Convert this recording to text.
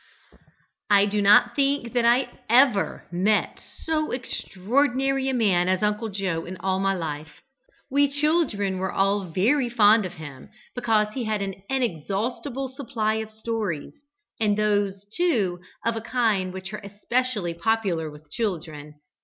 I do not think that I ever met so extraordinary a man as Uncle Joe in all my life. We children were all very fond of him, because he had an inexhaustible supply of stories, and those, too, of a kind which are especially popular with children.